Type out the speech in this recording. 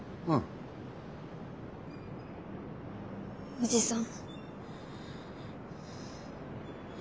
おじさん。